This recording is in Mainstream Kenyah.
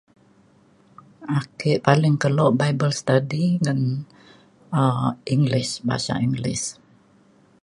ake paling kelo bible study ngan um english bahasa english